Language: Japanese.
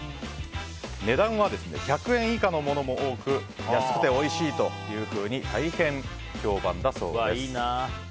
値段は１００円以下のものも多く安くておいしいと大変評判だそうです。